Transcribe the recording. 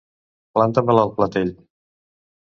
Planta-me-la al clatell!